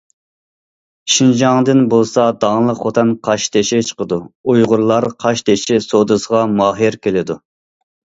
شىنجاڭدىن بولسا داڭلىق خوتەن قاشتېشى چىقىدۇ، ئۇيغۇرلار قاشتېشى سودىسىغا ماھىر كېلىدۇ.